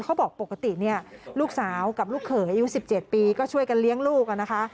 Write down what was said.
ปกติเนี่ยลูกสาวกับลูกเขยอายุ๑๗ปีก็ช่วยกันเลี้ยงลูกนะคะ